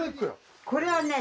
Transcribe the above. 「これはね